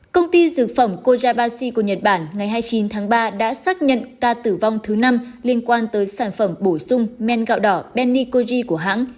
công ty dược phẩm kojabashi của nhật bản ngày hai mươi chín tháng ba đã xác nhận ca tử vong thứ năm liên quan tới sản phẩm bổ sung men gạo đỏ benikoji của hãng